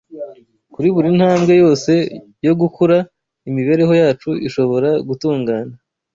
Kuri buri ntambwe yose yo gukura imibereho yacu ishobora gutungana